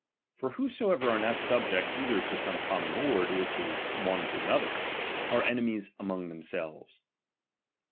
For whosoever are not subject either to some common lord, or one to another, are ene mies among themselves.